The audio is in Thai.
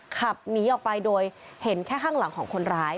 ขับหนีออกไปโดยเห็นแค่ข้างหลังของคนร้าย